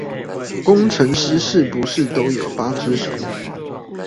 工程師是不是都有八隻手